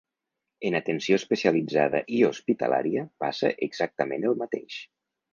En atenció especialitzada i hospitalària passa exactament el mateix.